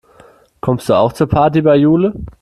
Kommst du auch zur Party bei Jule?